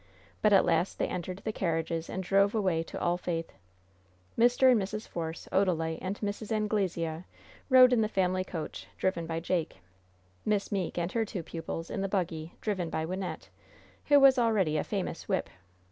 But at last they entered the carriages and drove away to All Faith. Mr. and Mrs. Force, Odalite and Mrs. Anglesea rode in the family coach, driven by Jake; Miss Meeke and her two pupils in the buggy, driven by Wynnette, who was already a famous "whip."